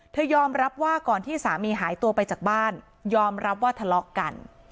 ยอมรับว่าก่อนที่สามีหายตัวไปจากบ้านยอมรับว่าทะเลาะกัน